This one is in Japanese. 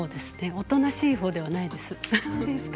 おとなしいほうではないです。